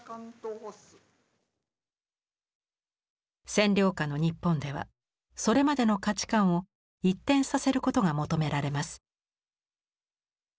占領下の日本ではそれまでの価値観を一転させることが求められます。